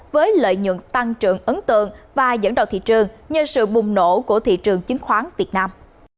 với lợi nhuận tăng trưởng ấn tượng và dẫn đầu thị trường nhờ sự bùng nổ của thị trường chứng khoán việt nam